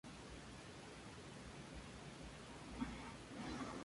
Así mismo, Müller fue el padrino político del entonces joven Franz Josef Strauß.